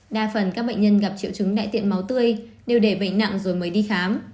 đa phần các bệnh nhân gặp triệu chứng đại tiện máu tươi đều để bệnh nặng rồi mới đi khám